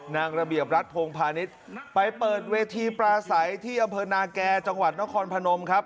นางระเบียบรัฐโพงพาณิชย์ไปเปิดเวทีปลาใสที่อำเภอนาแก่จังหวัดนครพนมครับ